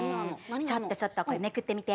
ちょっとちょっとこれめくってみて。